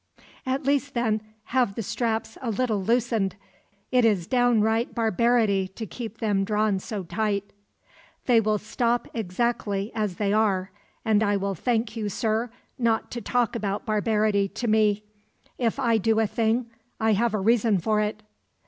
"At least, then, have the straps a little loosened. It is downright barbarity to keep them drawn so tight." "They will stop exactly as they are; and I will thank you, sir, not to talk about barbarity to me. If I do a thing, I have a reason for it."